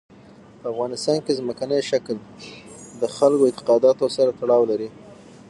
په افغانستان کې ځمکنی شکل د خلکو اعتقاداتو سره تړاو لري.